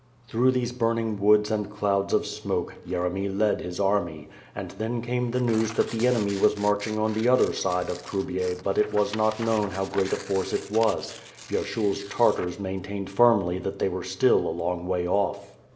Through these burning woods and clouds of smoke, Yere my led his army; and then came the news that the enemy was marching on the other side of Trubiej but it was not known how great a force ii was — Vyershurs Tartars maintained firmly that they were still a long way off.